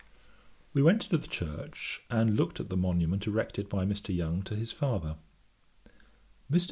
We went into the church, and looked at the monument erected by Mr. Young to his father. Mr.